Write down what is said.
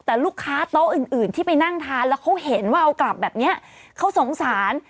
แต่ลูกค้าโต๊ะอื่นอื่นที่ไปนั่งทานแล้วเขาเห็นว่าเอากลับแบบเนี้ยเขาสงสาร